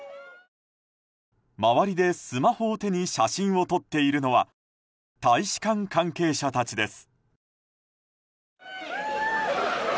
周りで、スマホを手に写真を撮っているのは大使館関係者たちです。